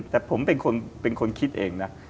แต่ผมเป็นคนคิดเองนะ